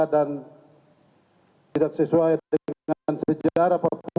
dan tidak sesuai dengan sejarah papua